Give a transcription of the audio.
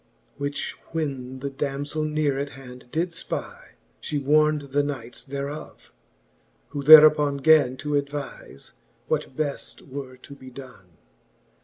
Which when the damzell neare at hand did fpy. She warn'd the knights thereof j who thereupon Gan to advize, what beft were to be done.